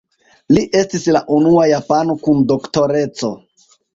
Li estis la unua japano kun Doktoreco.